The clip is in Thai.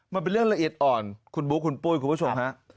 มันเป็นเรื่องละเอียดอ่อนคุณบุ๊คคุณปุ้ยคุณผู้ชมฮะ